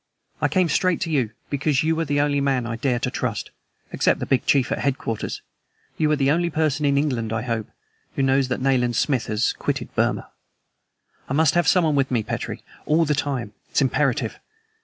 "I came straight to you, because you are the only man I dare to trust. Except the big chief at headquarters, you are the only person in England, I hope, who knows that Nayland Smith has quitted Burma. I must have someone with me, Petrie, all the time it's imperative!